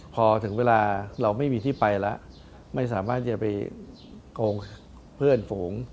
พอถึงเวลาเราไม่มีที่ไปแล้วไม่สามารถจะไปโกงเพื่อนฝูง